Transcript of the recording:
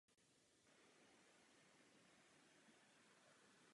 Hned teď musíme začít jednat a vytvářet nový zemědělský model.